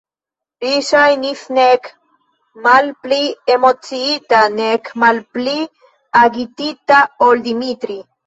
Li ŝajnis nek malpli emociita nek malpli agitita ol Dimitri.